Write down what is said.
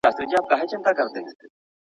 نتيجه ئې د کورني ژوند پريشاني وي.